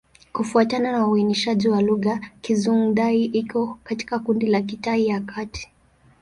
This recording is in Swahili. Kufuatana na uainishaji wa lugha, Kizhuang-Dai iko katika kundi la Kitai ya Kati.